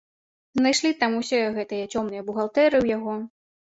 Знайшлі там усё гэтыя цёмныя бухгалтэрыі ў яго.